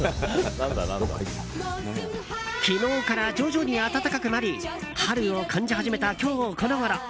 昨日から徐々に暖かくなり春を感じ始めた今日このごろ。